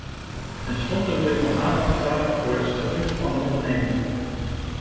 Ten slotte wil ik nog aandacht vragen voor het statuut van de ondernemingen.